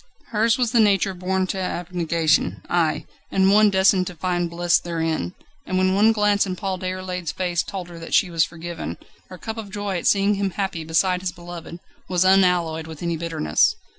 Hers was the nature born to abnegation: aye! and one destined to find bliss therein. And when one glance in Paul Déroulède's face told her that she was forgiven, her cup of joy at seeing him happy beside his beloved, was unalloyed with any bitterness.